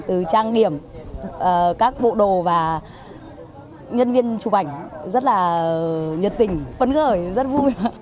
từ trang điểm các bộ đồ và nhân viên chụp ảnh rất là nhiệt tình phấn khởi rất vui